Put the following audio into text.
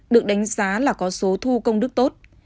được đánh giá là có số thu công đức tốt